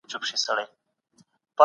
ډاکټر به د ناروغ لپاره درمل تجویز کړي.